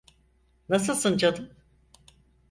Nasılsın canım?